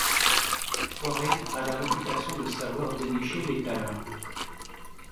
Poiré a la réputation de savoir dénicher les talents.